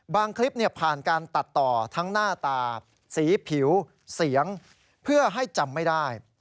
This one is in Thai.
คลิปผ่านการตัดต่อทั้งหน้าตาสีผิวเสียงเพื่อให้จำไม่ได้